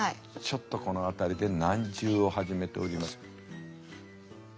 ちょっとこの辺りで難渋を始めております。